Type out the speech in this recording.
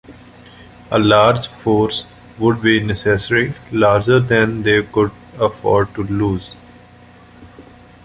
A large force would be necessary; larger than they could afford to lose.